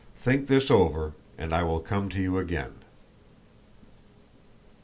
Think this over and I will come to you again."